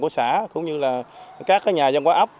các nhà dân quá ấp